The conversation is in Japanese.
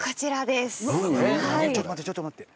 ちょっと待ってちょっと待って。